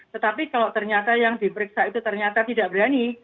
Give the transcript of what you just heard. tetapi kalau ternyata yang diperiksa itu ternyata tidak berani